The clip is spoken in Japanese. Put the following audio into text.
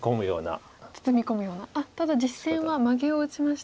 ただ実戦はマゲを打ちました。